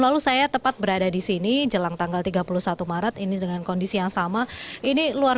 lalu saya tepat berada di sini jelang tanggal tiga puluh satu maret ini dengan kondisi yang sama ini luar